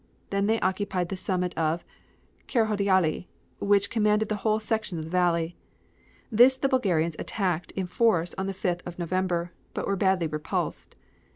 They then occupied the summit of Karahodjali, which commanded the whole section of the valley. This the Bulgarians attacked in force on the 5th of November, but were badly repulsed.